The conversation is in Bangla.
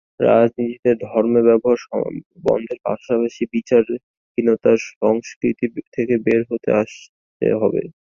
রাজনীতিতে ধর্ম ব্যবহার বন্ধের পাশাপাশি বিচারহীনতার সংস্কৃতি থেকে বের হয়ে আসতে হবে।